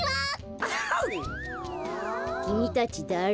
きみたちだれ？